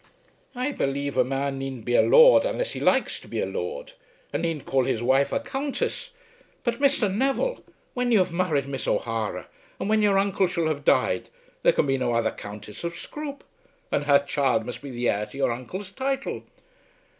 I believe a man needn't be a lord unless he likes to be a lord; and needn't call his wife a countess. But, Mr. Neville, when you have married Miss O'Hara, and when your uncle shall have died, there can be no other Countess of Scroope, and her child must be the heir to your uncle's title."